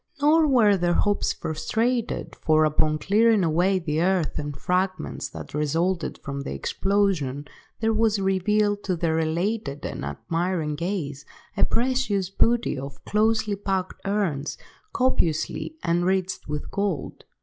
Nor were their hopes frustrated, for, upon clearing away the earth and fragments that resulted from the explosion, there was revealed to their elated and admiring gaze, a precious booty of closely packed urns copiously enriched with gold.